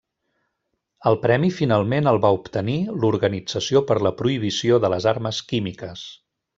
El premi finalment el va obtenir l'Organització per la Prohibició de les Armes Químiques.